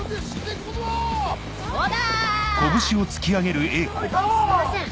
そうだ！